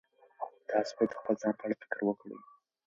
تاسو باید د خپل ځان په اړه فکر وکړئ.